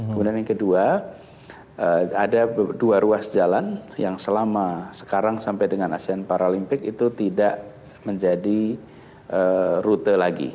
kemudian yang kedua ada dua ruas jalan yang selama sekarang sampai dengan asean paralimpik itu tidak menjadi rute lagi